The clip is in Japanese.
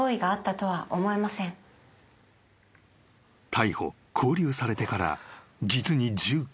［逮捕勾留されてから実に１９日後］